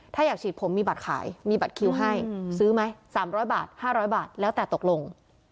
ถ้าอยากฉีดผมมีบัตรขายมีบัตรคิวให้ซื้อไหม๓๐๐บาท๕๐๐บาทแล้วแต่ตกลง